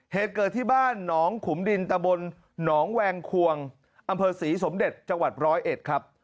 เหตุเกิดที่บ้านหนองขุมดินตะบนหนองแวงคนอศรีสมเด็จจร้อยเอทครับ